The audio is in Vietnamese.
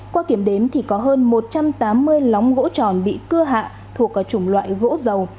qua kiểm đếm thì có hơn một trăm tám mươi lóng gỗ tròn bị cưa hạ thuộc chủng loại gỗ dầu